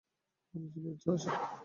হারুর ছিল উচ্চ আশা।